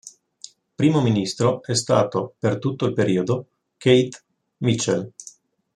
Primo ministro è stato, per tutto il periodo, Keith Mitchell.